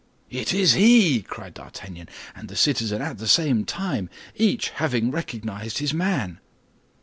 "It is he!" cried D'Artagnan and the citizen at the same time, each having recognized his man.